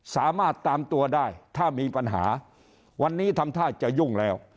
สามารถตามตัวได้ถ้ามีปัญหาวันนี้ทำท่าจะยุ่งแล้ว